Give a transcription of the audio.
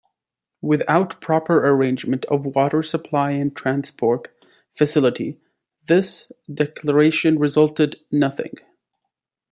Without proper arrangement of water supply and transport facility, this declaration resulted nothing.